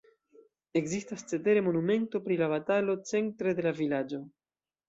Ekzistas cetere monumento pri la batalo centre de la vilaĝo.